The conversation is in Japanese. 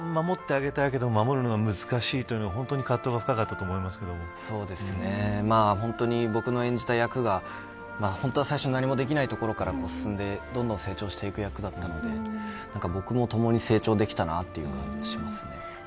一番守ってあげたいけど守るのが難しいという本当に僕の演じた役が最初は何もできないところから進んでどんどん成長していく役だったので僕も共に成長できたなという気がしますね。